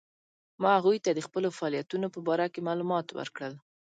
ما هغوی ته د خپلو فعالیتونو په باره کې معلومات ورکړل.